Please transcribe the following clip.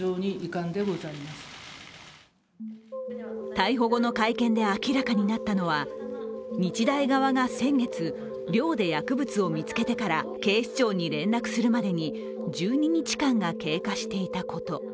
逮捕後の会見で明らかになったのは日大側が先月寮で薬物を見つけてから警視庁に連絡するまでに１２日間が経過していたこと。